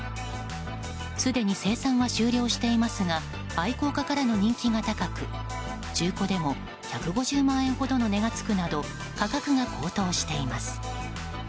すでに生産は終了していますが愛好家からの人気が高く中古でも１５０万円ほどの値がつくなど価格が高騰しています。